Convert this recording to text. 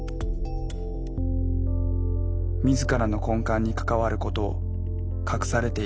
自らの根幹に関わることを隠されていた石塚さん。